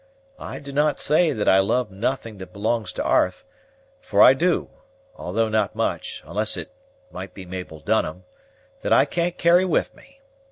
I do not say that I love nothing that belongs to 'arth; for I do, though not much, unless it might be Mabel Dunham, that I can't carry with me.